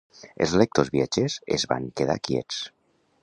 Els lectors viatgers es van quedar quiets.